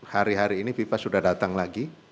hari hari ini fifa sudah datang lagi